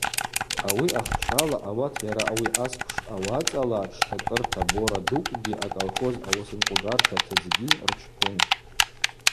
Ауи ахчала ауат йара ауи асквш ауацӏала тштакӏырта бора дукӏгьи аколхоз ауысынкъвгарта тыдзгьи рчпун.